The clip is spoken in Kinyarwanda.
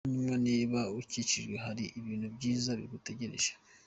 Bavandimwe, niba ukijijwe hari ibintu byiza bigutegereje !!